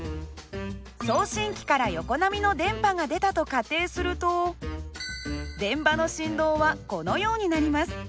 送信機から横波の電波が出たと仮定すると電場の振動はこのようになります。